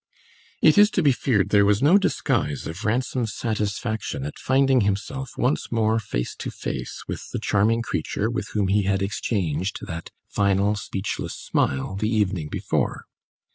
It is to be feared there was no disguise of Ransom's satisfaction at finding himself once more face to face with the charming creature with whom he had exchanged that final speechless smile the evening before.